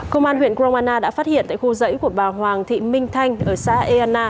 công an huyện kroana đã phát hiện tại khu dãy của bà hoàng thị minh thanh ở xã eana